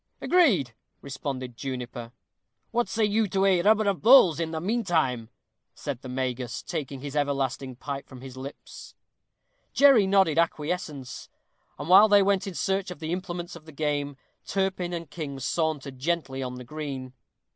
"Agreed," responded Juniper. "What say you to a rubber at bowls, in the mean time?" said the Magus, taking his everlasting pipe from his lips. Jerry nodded acquiescence. And while they went in search of the implements of the game, Turpin and King sauntered gently on the green.